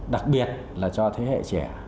đặc biệt là cho thế hệ trẻ